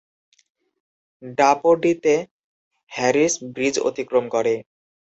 ডাপোডিতে Harris bridge অতিক্রম করে।